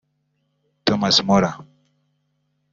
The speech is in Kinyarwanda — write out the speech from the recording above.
Thomas Muller